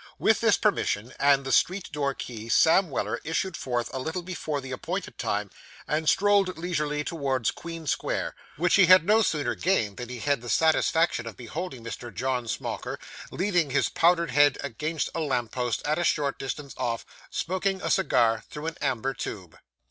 With this permission and the street door key, Sam Weller issued forth a little before the appointed time, and strolled leisurely towards Queen Square, which he no sooner gained than he had the satisfaction of beholding Mr. John Smauker leaning his powdered head against a lamp post at a short distance off, smoking a cigar through an amber tube.